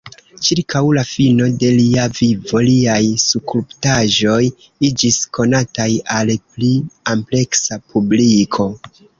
Ĉirkaŭ la fino de lia vivo liaj skulptaĵoj iĝis konataj al pli ampleksa publiko.